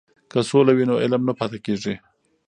که سوله وي نو علم نه پاتې کیږي.